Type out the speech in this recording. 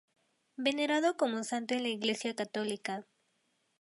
Venerado como santo en la Iglesia católica.